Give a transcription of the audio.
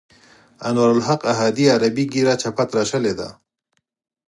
انوارالحق احدي عربي ږیره چپه تراشلې ده.